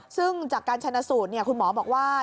ซึ่งจากการชนะสูตรคุณหมอบอกว่า